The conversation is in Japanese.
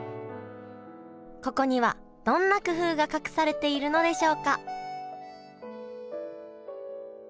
ここにはどんな工夫が隠されているのでしょうか？